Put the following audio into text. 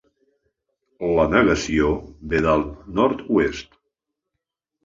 La negació ve del nord-oest.